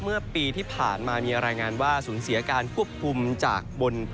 เมื่อปีที่ผ่านมามีรายงานว่าศูนย์เสียการควบคุมจากบนพื้นโลกนะครับ